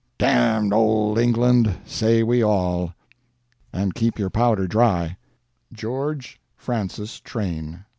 D—D OLD ENGLAND, SAY WE ALL! And keep your powder dry. GEO. FRANCIS TRAIN.